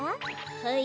はい？